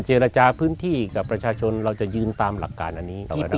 เจรจาพื้นที่กับประชาชนเราจะยืนตามหลักการอันนี้